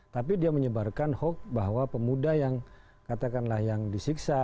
tapi dia menyebarkan hoax bahwa pemuda yang katakanlah yang disiksa